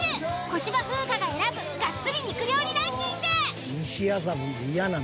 小芝風花が選ぶガッツリ肉料理ランキング。